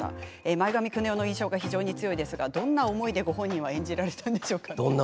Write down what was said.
前髪クネ男の印象が非常に強いんですがどんな思いで本人は演じたんでしょうか。